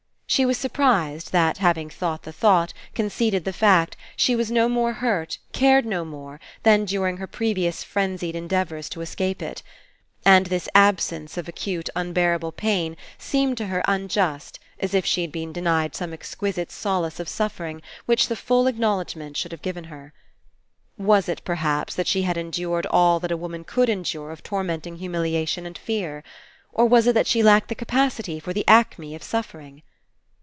She was surprised that, having thought the thought, conceded the fact, she was no more hurt, cared no more, than during her pre vious frenzied endeavours to escape it. And this absence of acute, unbearable pain seemed to her unjust, as If she had been denied some exquisite solace of suffering which the full acknowledg ment should have given her. Was it, perhaps, that she had endured all that a woman could endure of tormenting humiliation and fear? Or was it that she lacked the capacity for the acme of suffering?